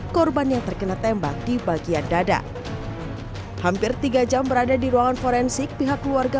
korban yang terkena tembak di bagian dada hampir tiga jam berada di ruangan forensik pihak keluarga